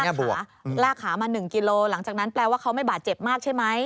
ขาลากขามา๑กิโลหลังจากนั้นแปลว่าเขาไม่บาดเจ็บมากใช่ไหม